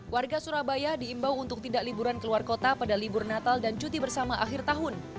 warga surabaya diimbau untuk tidak liburan keluar kota pada libur natal dan cuti bersama akhir tahun